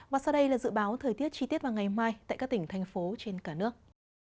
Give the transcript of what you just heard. và sau đây là dự báo thời tiết chi tiết vào ngày mai tại các tỉnh thành phố trên cả nước